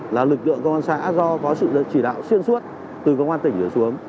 là lực lượng công an xã do có sự chỉ đạo xuyên suốt từ công an tỉnh xuống